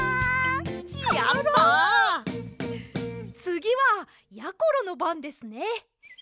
つぎはやころのばんですね。